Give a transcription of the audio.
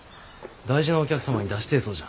大事なお客様に出してえそうじゃ。